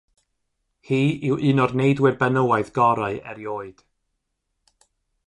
Hi yw un o'r neidwyr benywaidd gorau erioed.